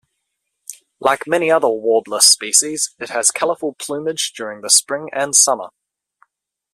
Like many other warbler species, it has colorful plumage during the spring and summer.